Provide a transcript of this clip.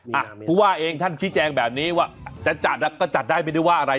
ผู้ว่าเองท่านชี้แจงแบบนี้ว่าจะจัดอ่ะก็จัดได้ไม่ได้ว่าอะไร